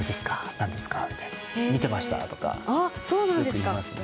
何ですか？とか見てました？とかよく言いますね。